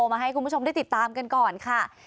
มาให้คุณผู้ชมได้ติดตามกันก่อนค่ะ